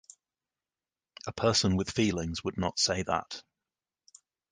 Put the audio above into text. A person with feelings would not say that.